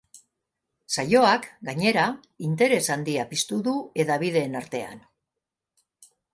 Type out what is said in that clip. Saioak, gainera, interes handia piztu du hedabideen artean.